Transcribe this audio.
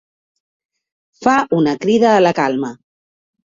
Fa una crida a la calma.